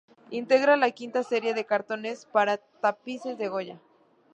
Integra la quinta serie de cartones para tapices de Goya.